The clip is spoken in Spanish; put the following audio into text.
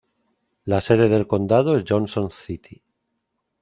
La sede del condado es Johnson City.